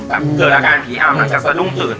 เกิดอาการผีอำหลังจากสะดุ้งตื่น